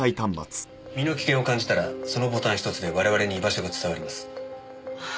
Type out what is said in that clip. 身の危険を感じたらそのボタン１つで我々に居場所が伝わります。